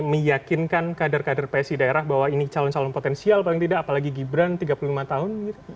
meyakinkan kader kader psi daerah bahwa ini calon calon potensial paling tidak apalagi gibran tiga puluh lima tahun